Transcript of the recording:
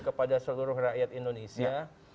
kepada seluruh rakyat indonesia